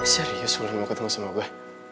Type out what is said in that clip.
serius wulan mau ketemu sama gue